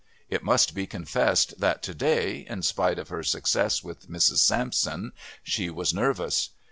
It must be confessed that to day, in spite of her success with Mrs. Sampson, she was nervous.